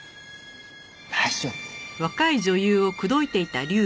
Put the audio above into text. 大丈夫！